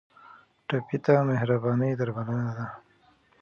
ټپي ته مهرباني درملنه ده.